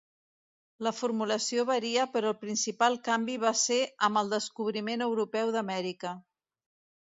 La formulació varia però el principal canvi va ser amb el descobriment europeu d'Amèrica.